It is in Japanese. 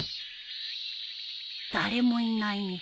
誰もいないね。